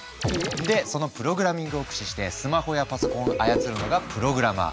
でそのプログラミングを駆使してスマホやパソコンを操るのがプログラマー。